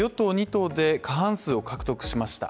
２党で、過半数を獲得しました。